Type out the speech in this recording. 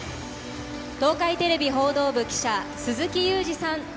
東海テレビ報道部記者鈴木祐司さん。